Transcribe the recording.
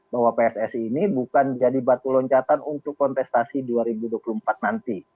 bahwa pssi ini bukan jadi batu loncatan untuk kontestasi dua ribu dua puluh empat nanti